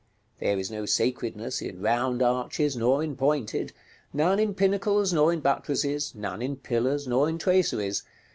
There is no sacredness in round arches, nor in pointed; none in pinnacles, nor in buttresses; none in pillars, nor in traceries.